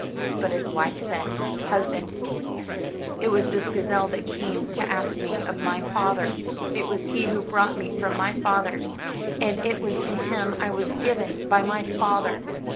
But his wife said: "Husband, it was this gazelle that came to ask me of my father, it was he who brought me from my father's, and it was to him I was given by my father.